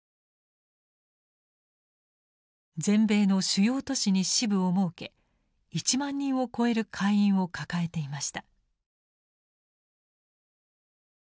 全米の主要都市に支部を設け１万人を超える会員を抱えていました。